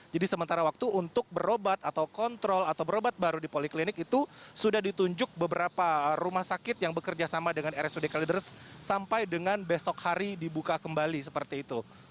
jadi sementara waktu untuk berobat atau kontrol atau berobat baru di poliklinik itu sudah ditunjuk beberapa rumah sakit yang bekerja sama dengan rsud kalideres sampai dengan besok hari dibuka kembali seperti itu